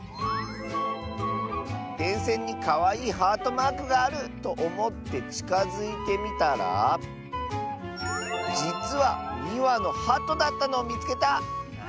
「でんせんにかわいいハートマークがあるとおもってちかづいてみたらじつは２わのハトだったのをみつけた！」。